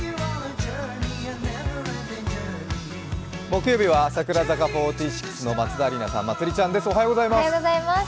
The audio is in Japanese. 木曜日は櫻坂４６の松田里奈さん、まつりちゃんです、おはようございます。